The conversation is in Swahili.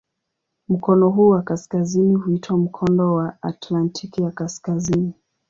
Mkono huu wa kaskazini huitwa "Mkondo wa Atlantiki ya Kaskazini".